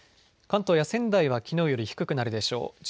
関東や仙台はきのうより低くなるでしょう。